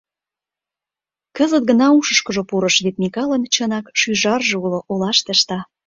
— Кызыт гына ушышкыжо пурыш: вет Микалын чынак шӱжарже уло, олаште ышта.